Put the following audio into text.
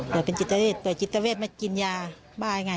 ป่วยเป็นกิจตาเวทป่วยกิจตาเวทมากินยาบ้าไง